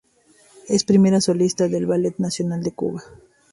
Es primer solista del Ballet Nacional de Cuba.